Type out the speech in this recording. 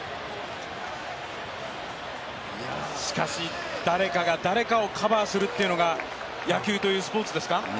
しかし誰かが誰かをカバーするというのが野球というスポーツですか？